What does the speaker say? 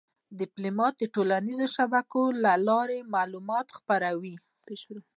ډيپلومات د ټولنیزو شبکو له لارې معلومات خپروي.